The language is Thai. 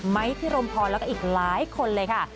พี่รมพรแล้วก็อีกหลายคนเลยค่ะ